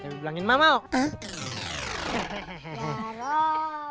belangin mama om